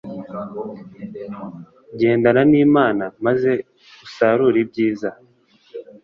gendana n imana maze usarure ibyiza